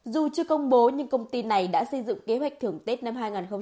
dù chưa công bố nhưng công ty này đã xây dựng kế hoạch thưởng tết năm hai nghìn hai mươi